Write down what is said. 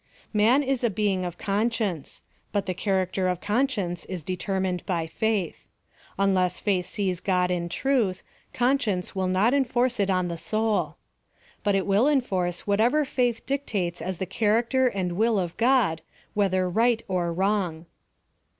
Man is a being of Conscience ; but the character of conscience is determined by faith. Unless faith sees God in truth, conscience will not enforce it on the soul. But it will enforce whatever faith dictates as the character and will ol God, whether right or wrong.